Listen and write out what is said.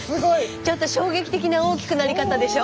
ちょっと衝撃的な大きくなり方でしょ。